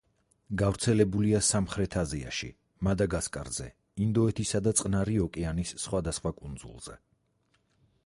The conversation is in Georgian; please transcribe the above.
გავრცელებულია სამხრეთ აზიაში, მადაგასკარზე, ინდოეთისა და წყნარი ოკეანის სხვადასხვა კუნძულზე.